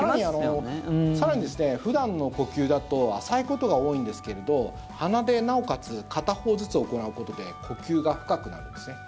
更に、普段の呼吸だと浅いことが多いんですけれど鼻でなおかつ片方ずつ行うことで呼吸が深くなるんですね。